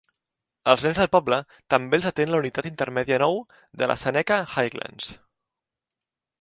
Els nens del poble també els atén la Unitat Intermèdia Nou de les Seneca Highlands.